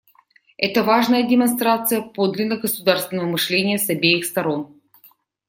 Это важная демонстрация подлинно государственного мышления с обеих сторон.